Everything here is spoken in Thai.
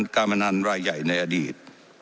การพนันรายใหญ่ในอดีต